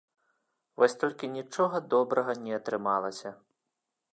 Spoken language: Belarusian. Вось толькі нічога добрага не атрымалася.